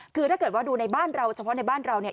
คือถ้าเกิดว่าดูในบ้านเราเฉพาะในบ้านเราเนี่ย